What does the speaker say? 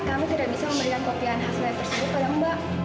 kami tidak bisa memberikan kopian khas layar tersebut pada mbak